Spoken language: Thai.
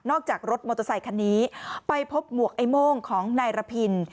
จากรถมอเตอร์ไซคันนี้ไปพบหมวกไอ้โม่งของนายระพิน